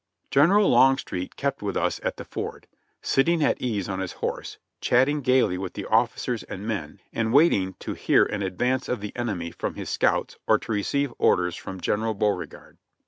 General Longstreet kept with us at the ford, sitting at ease on his horse, chatting gaily with the officers and men and waiting to hear an advance of the enemy from his scouts or to receive orders from General Beauregard.